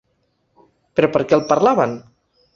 Però per què el parlaven?